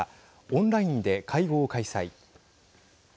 オンラインで会合を開催。